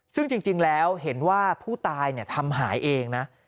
ซึ่งจริงแล้วเห็นว่าผู้ตายทำหายเองนะ